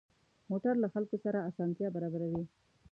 موټر له خلکو سره اسانتیا برابروي.